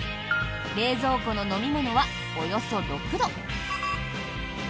冷蔵庫の飲み物はおよそ６度。